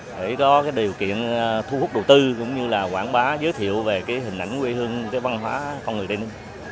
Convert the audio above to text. để có cái điều kiện thu hút đầu tư cũng như là quảng bá giới thiệu về cái hình ảnh quê hương cái văn hóa con người tây ninh